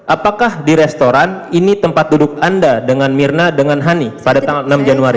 apakah di restoran ini tempat duduk anda dengan mirna dengan hani pada tanggal enam januari